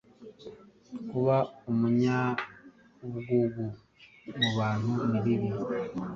Kuba umunyabugugu mubantu ni bibi